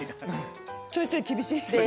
ちょいちょい厳しい。